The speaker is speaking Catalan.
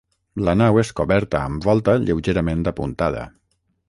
La nau és coberta amb volta lleugerament apuntada.